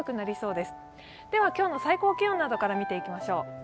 では今日の最高気温などから見てみましょう。